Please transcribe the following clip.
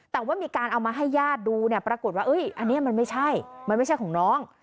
แต่ว่ามีการเอามาให้ญาติดูเนี่ยปรากฏว่าอันนี้มันไม่ใช่มันไม่ใช่ของน้อง